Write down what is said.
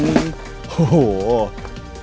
ต้องตอบถามไหมครับ